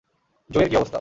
জোয়ের কী অবস্থা?